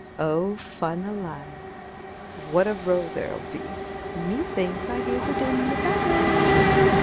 Oh, fun alive! What a row there'll be! Me thinks I hear the din of battle!